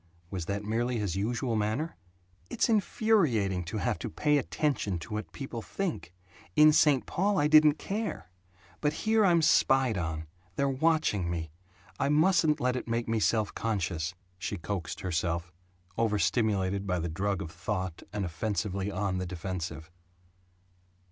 Was that merely his usual manner? "It's infuriating to have to pay attention to what people think. In St. Paul I didn't care. But here I'm spied on. They're watching me. I mustn't let it make me self conscious," she coaxed herself overstimulated by the drug of thought, and offensively on the defensive.